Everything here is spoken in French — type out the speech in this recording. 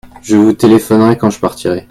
Je vous téléphonerai quand je partirai.